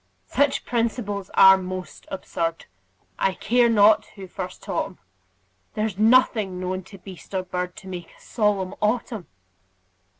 Such principles are most absurd, I care not who first taught 'em; There's nothing known to beast or bird To make a solemn autumn.